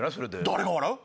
誰が笑う？